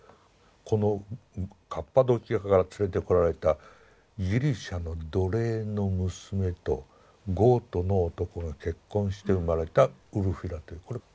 このカッパドキアから連れてこられたギリシャの奴隷の娘とゴートの男が結婚して生まれたウルフィラという。